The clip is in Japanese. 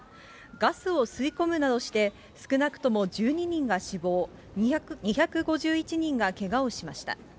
ガスを吸い込むなどして、少なくとも１２人が死亡、２５１人がけがをしました。